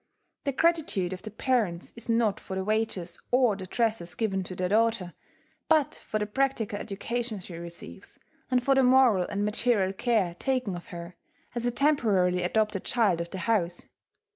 The gratitude of the parents is not for the wages or the dresses given to their daughter, but for the practical education she receives, and for the moral and material care taken of her, as a temporarily adopted child of the house.